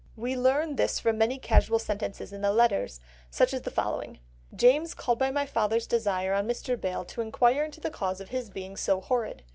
We learn this from many casual sentences in the letters, such as the following: "James called by my father's desire on Mr. Bayle to enquire into the cause of his being so horrid.